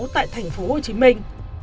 tại tp hồ chí minh